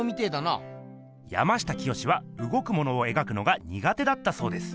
山下清はうごくものをえがくのがにがてだったそうです。